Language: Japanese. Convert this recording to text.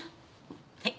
はい。